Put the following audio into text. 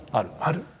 ある。